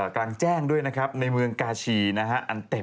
กลางแจ้งด้วยนะครับในเมืองกาชีนะฮะอันเต็ด